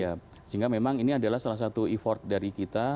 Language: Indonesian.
ya sehingga memang ini adalah salah satu effort dari kita